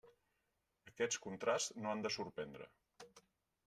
Aquests contrasts no han de sorprendre.